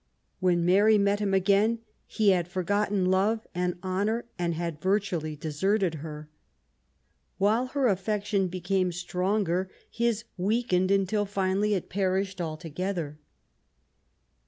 When Mary met him again he had forgotten love and honour, and had virtually deserted her. While her aflfection became stronger, his weakened until finally it perished alto gether.